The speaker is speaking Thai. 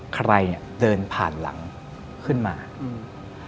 ใครอ่ะเดินผ่านหลังขึ้นมาอืม